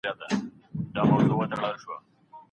ورزش کول روغتیا ته ګټه رسوي.